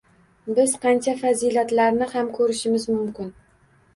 Bir qancha fazilatlarni ham ko‘rishimiz mumkin.